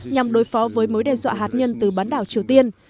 nhằm đối phó với mối đe dọa hạt nhân từ bán đảo triều tiên